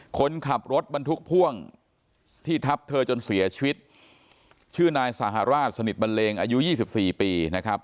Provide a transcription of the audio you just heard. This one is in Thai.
คนขับรถบรรทุกพ่วงที่ทับเธอจนเสียชีวิตชื่อนายสหราชสนิทบันเลงอายุ๒๔ปีนะครับ